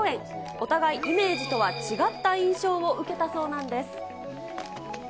お互いイメージとは違った印象を受けたそうなんです。